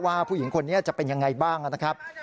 ผู้หญิงคนนี้จะเป็นยังไงบ้างนะครับ